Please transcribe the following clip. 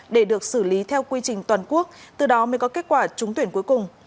để được xử lý theo quy trình toàn quốc từ đó mới có kết quả trúng tuyển cuối cùng